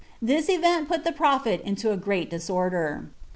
This event put the prophet into a great disorder.